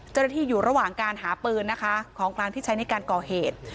อยู่ระหว่างการหาปืนนะคะของกลางที่ใช้ในการก่อเหตุ